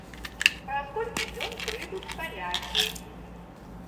Праз колькі дзён прыйдуць палякі.